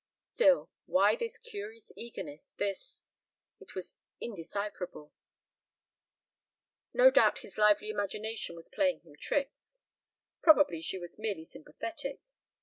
... Still why this curious eagerness, this it was indecipherable ... no doubt his lively imagination was playing him tricks. Probably she was merely sympathetic.